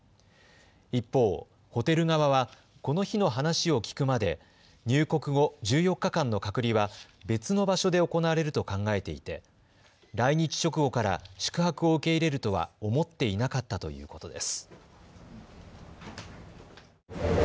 一方、ホテル側は、この日の話を聞くまで入国後１４日間の隔離は別の場所で行われると考えていて来日直後から宿泊を受け入れるとは思っていなかったということです。